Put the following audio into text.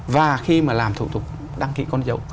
và khi mà làm thủ tục đăng ký con dấu